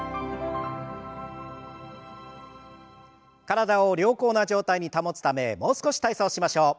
体を良好な状態に保つためもう少し体操しましょう。